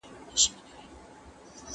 د لوڼو سره احسان کول د اسلامي شريعت حکم دی.